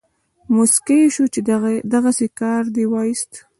موسکی شو چې دغسې کار دې وایست.